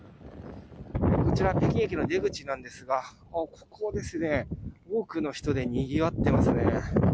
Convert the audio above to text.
こちら北京駅の出口なんですが多くの人でにぎわってますね。